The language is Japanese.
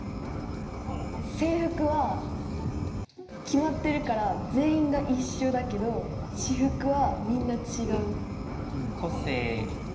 制服は決まってるから全員が一緒だけど私服はみんな違う。